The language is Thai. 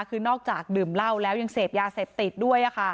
คือนอกจากดื่มเหล้าแล้วยังเสพยาเสพติดด้วย